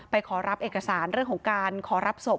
ขอรับเอกสารเรื่องของการขอรับศพ